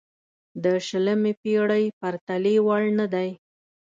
د شلمې پېړۍ پرتلې وړ نه دی.